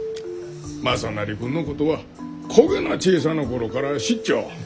雅修君のことはこげな小さな頃から知っちょ。